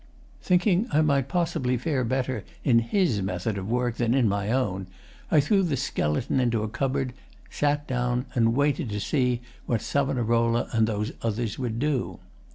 Thinking I might possibly fare better in his method of work than in my own, I threw the skeleton into a cupboard, sat down, and waited to see what Savonarola and those others would do.